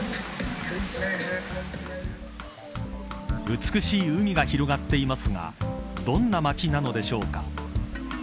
美しい海が広がっていますがどんな街なのでしょうか。